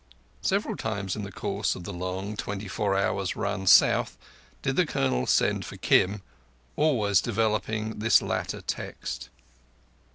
Several times in the course of the long twenty four hours' run south did the Colonel send for Kim, always developing this latter text.